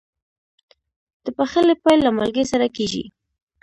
د پخلي پیل له مالګې سره کېږي.